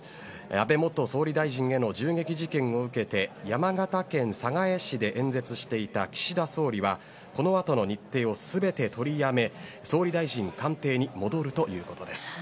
安倍元総理大臣への銃撃事件を受けて山形県寒河江市で演説していた岸田総理はこのあとの日程を全て取りやめ総理大臣官邸に戻るということです。